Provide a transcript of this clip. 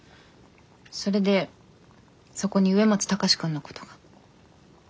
それでそこに上松高志くんのことが。